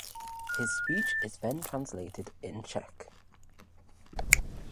His speech is then translated in Czech.